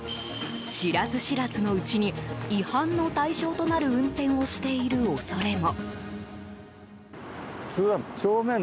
知らず知らずのうちに違反の対象となる運転をしている恐れも。